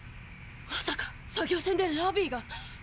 まさか作業船でラビィが。